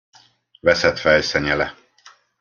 Veszett fejsze nyele.